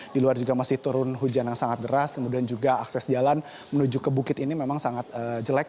di luar juga masih turun hujan yang sangat deras kemudian juga akses jalan menuju ke bukit ini memang sangat jelek